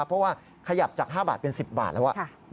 เพราะว่าขยับจาก๕บาทเป็น๑๐บาทแล้ว